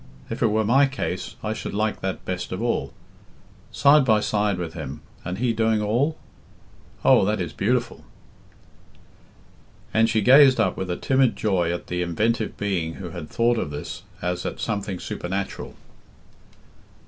If it were my case, I should like that best of all. Side by side with him, and he doing all? Oh, that is beautiful!" And she gazed up with a timid joy at the inventive being who had thought of this as at something supernatural.